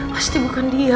pasti bukan dia